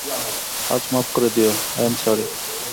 আজ মাফ করে দিও, আই এম সরি।